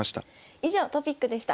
以上トピックでした。